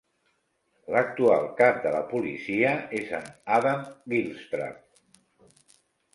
L'actual cap de la policia és n'Adam Gilstrap.